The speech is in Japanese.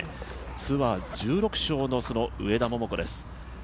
ツアー１６勝の上田桃子です。